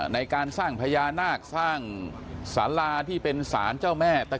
ในการสร้างพญานาคต์สรรลาที่เป็นศาลเจ้าแม่ตะเคียน